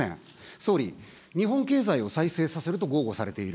総理、日本経済を再生させると豪語されている。